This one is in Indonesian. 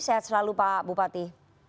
sehat selalu pak bupati